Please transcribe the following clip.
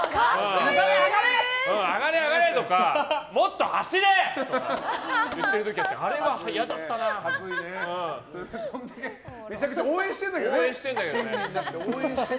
上がれ、上がれ！とかもっと走れ！とか言ってる時あってめちゃくちゃ応援してるんだけどね。